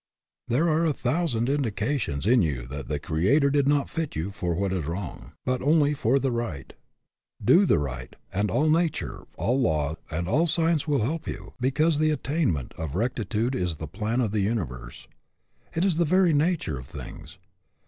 There are a thousand indications in you that the Creator did not fit you for what is wrong, but only for the right. Do the right, and all 122 HAS YOUR VOCATION APPROVAL nature, all law, and all science will help you, because the attainment of rectitude is the plan of the universe. It is the very nature of things.